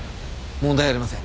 問題ありません。